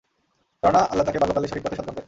কেননা, আল্লাহ তাঁকে বাল্যকালেই সঠিক পথের সন্ধান দেন।